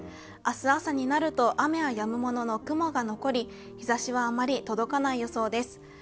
明日朝になると、雨はやむものの雲が残り、日ざしはあまり届かない予想です。